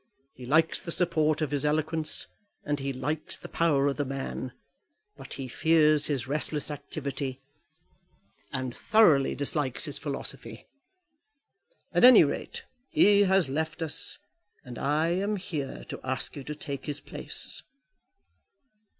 He likes the support of his eloquence, and he likes the power of the man; but he fears his restless activity, and thoroughly dislikes his philosophy. At any rate, he has left us, and I am here to ask you to take his place."